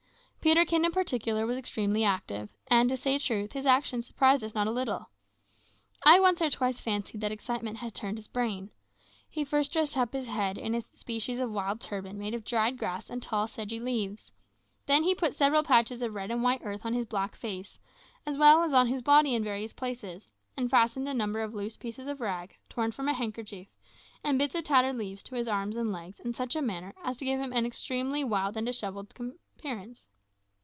Peterkin, in particular, was extremely active, and, to say truth, his actions surprised us not a little. I once or twice fancied that excitement had turned his brain. He first dressed up his head in a species of wild turban made of dried grass and tall sedgy leaves; then he put several patches of red and white earth on his black face, as well as on his body in various places, and fastened a number of loose pieces of rag, torn from a handkerchief, and bits of tattered leaves to his arms and legs in such a manner as to give him an extremely wild and dishevelled appearance.